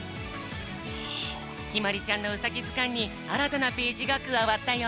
ひまりちゃんのウサギずかんにあらたなページがくわわったよ。